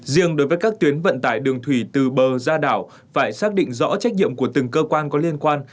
riêng đối với các tuyến vận tải đường thủy từ bờ ra đảo phải xác định rõ trách nhiệm của từng cơ quan có liên quan